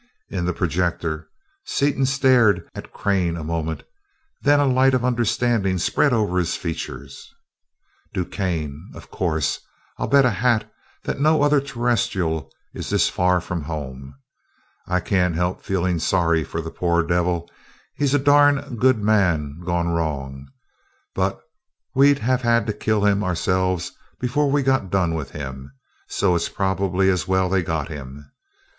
In the projector, Seaton stared at Crane a moment, then a light of understanding spread over his features. "DuQuesne, of course I'll bet a hat no other Terrestrial is this far from home. I can't help feeling sorry for the poor devil he's a darn good man gone wrong but we'd have had to kill him ourselves before we got done with him; so it's probably as well they got him.